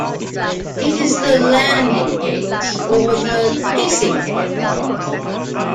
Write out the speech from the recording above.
It is the landing base or the casing head.